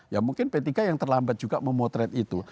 ya mungkin p tiga yang terlambat juga memotret itu